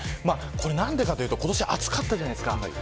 何でかというと今年は暑かったじゃないですか。